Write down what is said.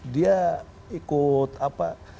dia ikut apa